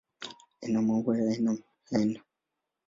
Ina maua ya aina aina.